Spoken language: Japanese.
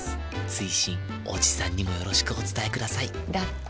追伸おじさんにもよろしくお伝えくださいだって。